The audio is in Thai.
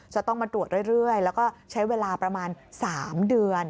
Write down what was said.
จะต้องมาตรวจเรื่อยแล้วก็ใช้เวลาประมาณ๓เดือน